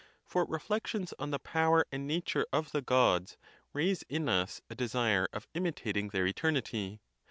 For reflections on the power and nature of the Gods raise in us a desire of im itating their eternity.